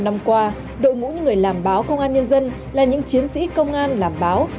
bảy mươi năm năm qua đội ngũ người làm báo công an nhân dân là những chiến sĩ công an làm báo